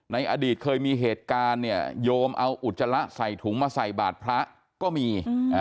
ในอดีตเคยมีเหตุการณ์เนี่ยโยมเอาอุจจาระใส่ถุงมาใส่บาทพระก็มี